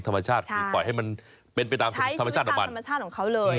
ราคามันขึ้นเนี่ยแรง